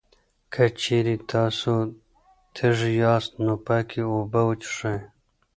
که چېرې تاسو تږی یاست، نو پاکې اوبه وڅښئ.